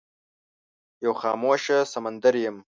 یو خاموشه سمندر یم